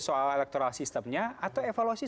soal electoral sistemnya atau evaluasi